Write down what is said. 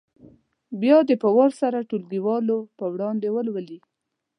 بیا دې په وار سره ټولګیوالو په وړاندې ولولي.